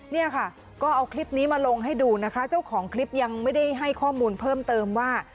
เนี่ยค่ะก็เอาคลิปนี้มาลงให้ดูนะคะเจ้าของคลิปยังไม่ได้ให้ข้อมูลเพิ่มเติมว่า